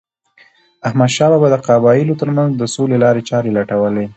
احمدشاه بابا د قبایلو ترمنځ د سولې لارې چارې لټولې.